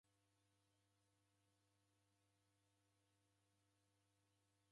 Ndokune kilambo chinilushagha moyo sa kitambala.